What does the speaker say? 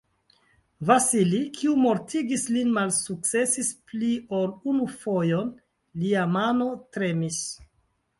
Vasili, kiu mortigis ilin, malsukcesis pli ol unu fojon: lia mano tremis.